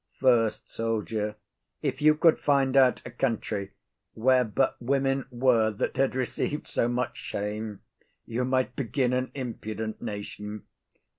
FIRST SOLDIER. If you could find out a country where but women were that had received so much shame, you might begin an impudent nation.